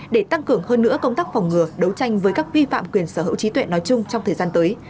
để tăng cường hơn nữa công tác phòng ngừa đấu tranh với các vi phạm quyền sở hữu trí tuệ nói chung trong thời gian tới